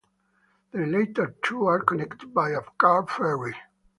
The latter two are connected by a car ferry.